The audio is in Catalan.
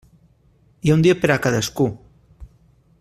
Hi ha un dia per a cadascú.